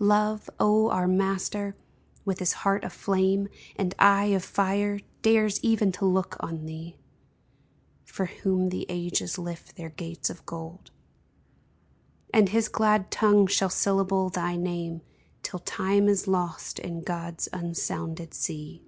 Love, O our master, with his heart of flame And eye of fire, dares even to look on thee, For whom the ages lift their gates of gold ; And his glad tongue shall syllable thy name Till time is lost in God's unsounded sea